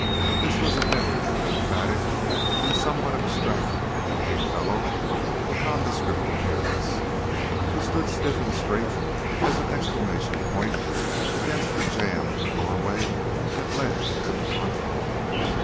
This was a heavy, lymphatic, and somewhat abstracted looking fellow of nondescript appearance, who stood stiff and straight as an exclamation point against the jamb of the door way that led into the front hall.